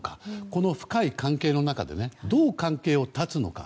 この深い関係の中でどう関係を断つのか。